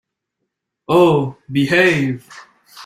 Oh, behave!.